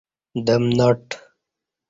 دم ناٹ